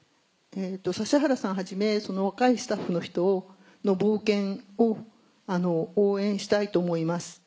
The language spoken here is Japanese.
指原さんはじめ若いスタッフの人の冒険を応援したいと思います。